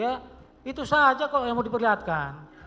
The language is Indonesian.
ya itu saja kok yang mau diperlihatkan